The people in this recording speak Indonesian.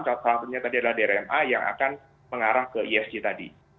salah satunya tadi adalah drma yang akan mengarah ke esg tadi